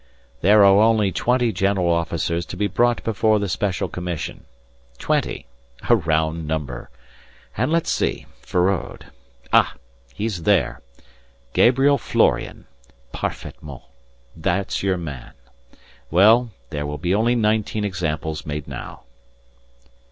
"There are only twenty general officers to be brought before the Special Commission. Twenty. A round number. And let's see, Feraud. Ah, he's there! Gabriel Florian. Parfaitement. That's your man. Well, there will be only nineteen examples made now."